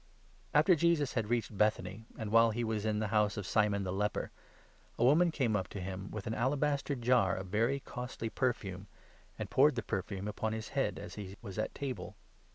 After Jesus had reached Bethany, and while he 6 anointed by was m tne house of Simon the leper, a woman 7 a. woman came up to him with an alabaster jar of very costly at Bethany. perfume) ancj poured the perfume upon his head as he was at table.